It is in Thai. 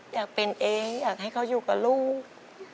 อยากเป็นเองอยากให้เขาอยู่กับลูก